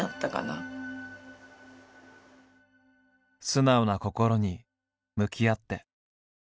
素直な心に向き合って。